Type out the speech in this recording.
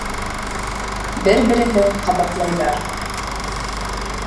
Бер- береһен ҡабатлайҙар.